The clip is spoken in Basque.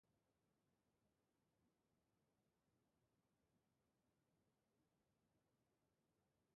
Alabaina, luzerako doala eta garrantzitsuena gauzak ondo egitea dela zehaztu du.